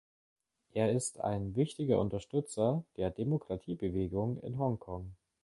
Er ist ein wichtiger Unterstützer der Demokratiebewegung in Hongkong.